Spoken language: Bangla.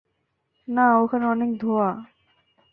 না, ওখানে অনেক ধোঁয়া।